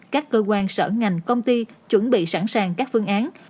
các cơ quan sở ngành công ty chuẩn bị sẵn sàng các phương án